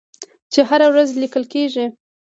چې هره ورځ لیکل کیږي.